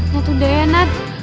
nah tuh deh ya nat